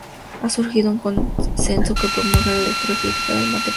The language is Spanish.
Ha surgido un consenso que promulga la lectura crítica del material.